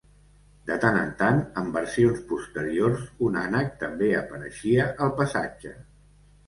De tant en tant en versions posteriors, un ànec també apareixia al passatge.